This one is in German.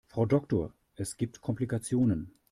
Frau Doktor, es gibt Komplikationen.